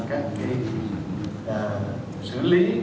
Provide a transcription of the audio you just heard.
các sử lý